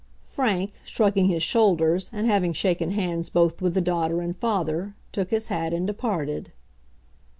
Frank, shrugging his shoulders, and having shaken hands both with the daughter and father, took his hat and departed.